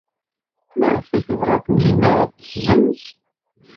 Maɣef ay tebɣa Taninna ad t-tessenz?